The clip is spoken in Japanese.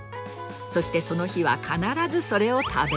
そしてその日は必ずそれを食べる。